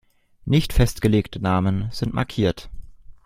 Nicht festgelegte Namen sind markiert.